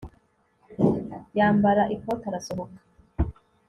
yambara ikote arasohoka